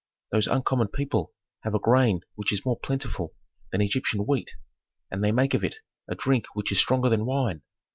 "Those uncommon people have a grain which is more plentiful than Egyptian wheat, and they make of it a drink which is stronger than wine.